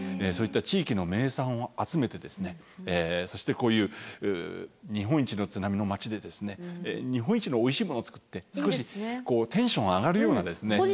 そういった地域の名産を集めてそしてこういう日本一の津波の町で日本一のおいしいものを作って少しテンション上がるようなですね。